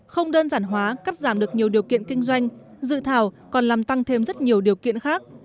không đơn giản hóa cắt giảm được nhiều điều kiện kinh doanh dự thảo còn làm tăng thêm rất nhiều điều kiện khác